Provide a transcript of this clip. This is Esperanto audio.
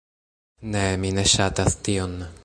Ne! Mi ne ŝatas tion.